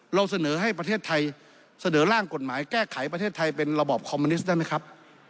เราเสนอให้ประเทศไทยเสนอร่างกฎหมายแก้ไขประเทศไทยเป็นระบอบคอมมิวนิสต์ได้ไหมครับ